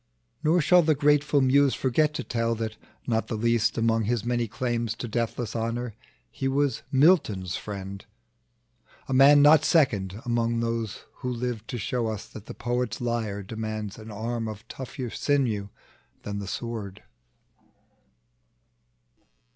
Nor shall the grateful Muse forget to tell, That not the least among his many claims To deathless honor he was Milton's friend, A man not second among those who lived To show us that the poet's lyre demands An arm of tougher sinew than the sword.